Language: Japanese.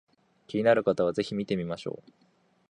気になる方は是非見てみましょう